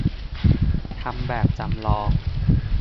ทำแบบจำลอง